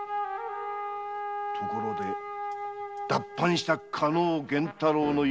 ところで脱藩した加納源太郎の行方は？